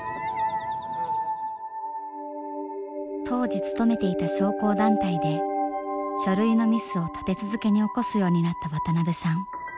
当時勤めていた商工団体で書類のミスを立て続けに起こすようになった渡邊さん。